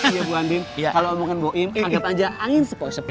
iya bu andin kalau ngomongin bu im anggap aja angin sepo sepo